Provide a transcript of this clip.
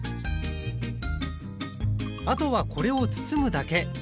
あとはこれを包むだけ。